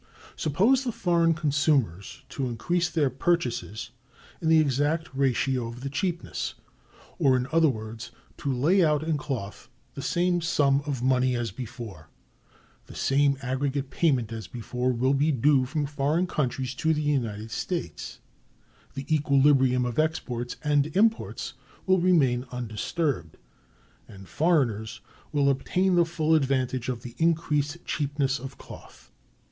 Suppose the foreign consumers to increase their purchases in the exact ratio of the cheapness, or, in other words, to lay out in cloth the same sum of money as before; the same aggregate payment as before will be due from foreign countries to the United States; the equilibrium of exports and imports will remain undisturbed, and foreigners will obtain the full advantage of the increased cheapness of cloth.